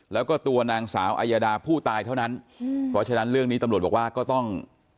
แล้วก็ตัวนางสาวอายาดาผู้ตายเท่านั้นเพราะฉะนั้นเรื่องนี้ตำรวจบอกว่าก็ต้อง